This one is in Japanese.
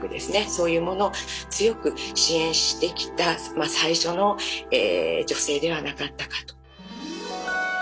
そういうものを強く支援してきた最初の女性ではなかったかと。